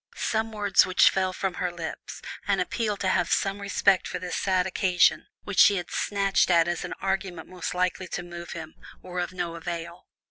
Some words which fell from her lips, an appeal to have some respect for this sad occasion, which she had snatched at as the argument most likely to move him, were of no avail.